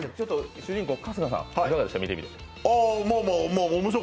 主人公・春日さん、どうでしたか？